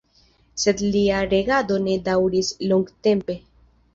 Sed lia regado ne daŭris longtempe.